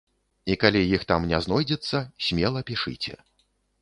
І калі іх там не знойдзецца, смела пішыце.